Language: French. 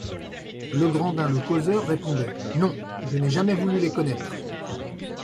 Legrandin le causeur répondait: « Non je n’ai jamais voulu les connaître.